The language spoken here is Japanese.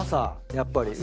やっぱり。